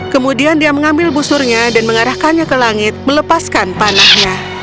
kemudian dia mengambil busurnya dan mengarahkannya ke langit melepaskan panahnya